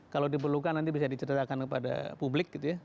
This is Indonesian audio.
kalau diperlukan nanti bisa diceritakan kepada publik gitu ya